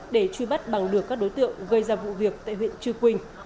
để truy bắt bằng được các đối tượng gây ra vụ việc tại huyện chư quynh